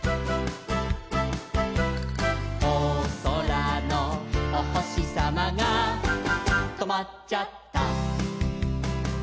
「おそらのおほしさまがとまっちゃった」